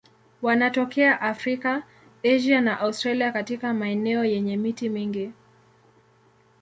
Wanatokea Afrika, Asia na Australia katika maeneo yenye miti mingi.